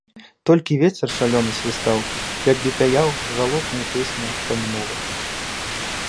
Толькі вецер шалёны свістаў, як бы пяяў жалобную песню па мінулым.